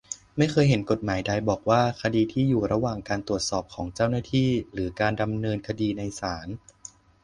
ไม่เคยเห็นกฎหมายใดบอกว่า คดีที่อยู่ระหว่างการตรวจสอบของเจ้าหน้าที่ หรือการดำเนินคดีในศาล